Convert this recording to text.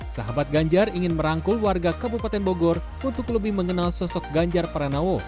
sahabat ganjar ingin merangkul warga kabupaten bogor untuk lebih mengenal sosok ganjar pranowo